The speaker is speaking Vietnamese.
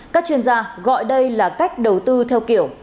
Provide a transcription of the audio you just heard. các chuyên gia gọi đây là cách đầu tư theo kiểu